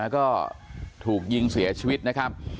ก็ถูกยิงเสียชีวิตนะครับ